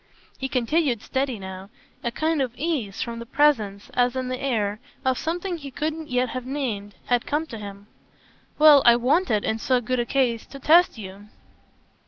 He continued steady now; a kind of ease from the presence, as in the air, of something he couldn't yet have named had come to him. "Well, I wanted in so good a case to test you."